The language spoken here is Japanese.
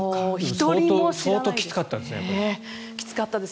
相当きつかったですか。